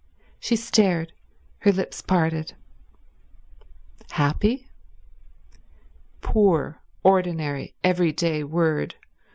... She stared, her lips parted. Happy? Poor, ordinary, everyday word.